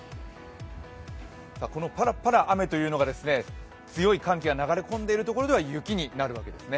このパラパラ雨というのが強い寒気が流れ込んでいる所では雪になるわけですね。